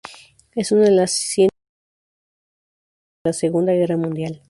Es una de las Ciento ocho mártires de Polonia durante la Segunda Guerra Mundial.